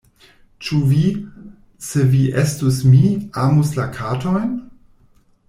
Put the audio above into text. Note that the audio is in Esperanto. “Ĉu vi, se vi estus mi, amus la katojn?”